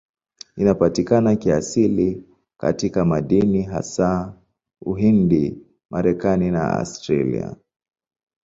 Inapatikana kiasili katika madini, hasa Uhindi, Marekani na Australia.